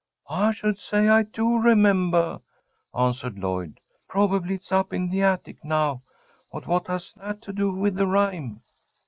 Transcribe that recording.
"I should say I do remembah!" answered Lloyd. "Probably it's up in the attic now. But what has that to do with the rhyme?"